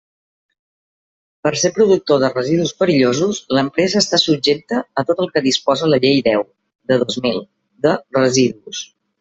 Per ser productor de residus perillosos, l'empresa està subjecta a tot el que disposa la Llei deu de dos mil, de residus.